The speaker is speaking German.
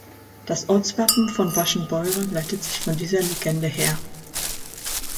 Das Ortswappen von Wäschenbeuren leitet sich von dieser Legende her.